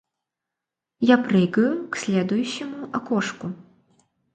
Я прыгаю к следующему окошку.